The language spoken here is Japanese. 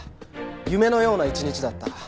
夢のような一日だった」。